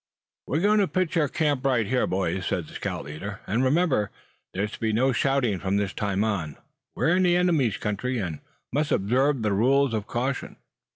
"WE'RE going to pitch our camp right here, boys!" said the scout leader, some time later; "and remember, there's to be no shouting from this time on. We're in the enemy's country, and must observe the rules of caution."